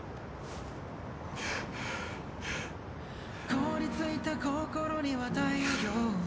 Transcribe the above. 「“凍りついた心には太陽を”」